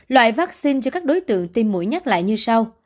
loại vaccine cho các đối tượng tiêm mũi nhắc lại như sau